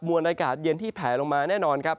วนอากาศเย็นที่แผลลงมาแน่นอนครับ